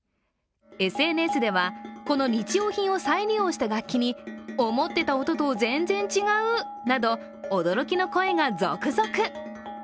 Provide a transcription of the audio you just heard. ＳＮＳでは、この日用品を再利用した楽器に思ってた音と全然違う！など驚きの声が続々。